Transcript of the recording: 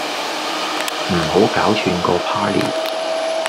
唔好搞串個 party